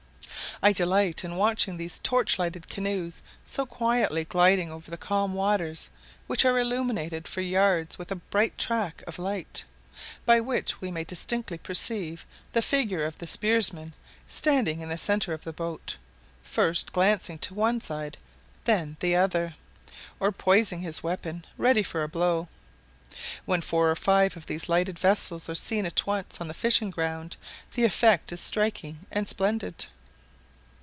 I delight in watching these torch lighted canoes so quietly gliding over the calm waters, which are illuminated for yards with a bright track of light, by which we may distinctly perceive the figure of the spearsman standing in the centre of the boat, first glancing to one side, then the other, or poising his weapon ready for a blow. When four or five of these lighted vessels are seen at once on the fishing ground, the effect is striking and splendid.